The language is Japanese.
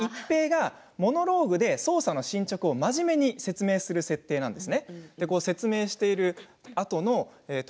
一平がモノローグで捜査の進捗を真面目に説明するシーンです。